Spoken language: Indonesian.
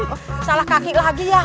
oh salah kaki lagi ya